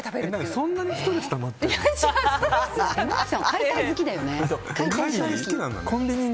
そんなにストレスたまってるの？